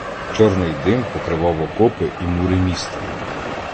Чорний дим покривав окопи і мури міста.